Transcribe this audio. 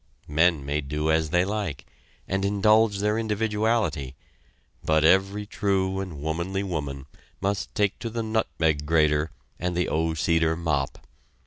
Men may do as they like, and indulge their individuality, but every true and womanly woman must take to the nutmeg grater and the O Cedar Mop.